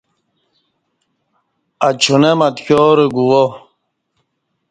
اچونم اتکیارہ گووہ